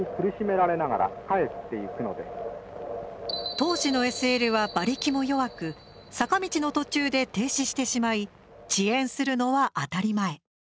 当時のＳＬは馬力も弱く坂道の途中で停止してしまい遅延するのは当たり前。